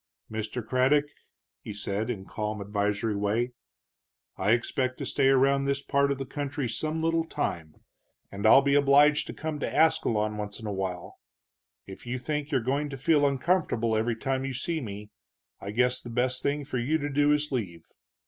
"Mr. Craddock," he said, in calm, advisory way, "I expect to stay around this part of the country some little time, and I'll be obliged to come to Ascalon once in a while. If you think you're going to feel uncomfortable every time you see me, I guess the best thing for you to do is leave.